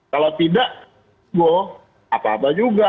kalau tidak go apa apa juga